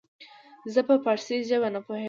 زه په پاړسي زبه نه پوهيږم